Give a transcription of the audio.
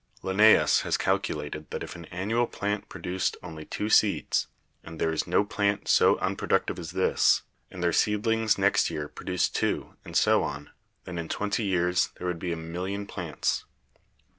Linnaeus has calculated that if an annual plant produced only two seeds — and there is no plant so unpro ductive as this — and their seedlings next year produced two, and so on, then in twenty years there would be a million plants.